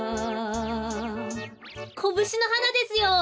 コブシのはなですよ。